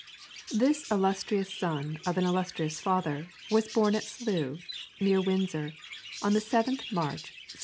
This illustrious son of an illustrious father was born at Slough, near Windsor, on the 7th March, 1792.